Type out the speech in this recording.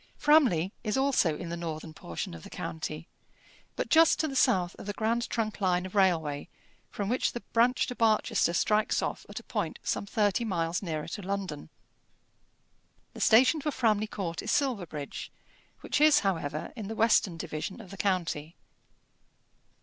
Framley is also in the northern portion of the county, but just to the south of the grand trunk line of railway from which the branch to Barchester strikes off at a point some thirty miles nearer to London. The station for Framley Court is Silverbridge, which is, however, in the western division of the county.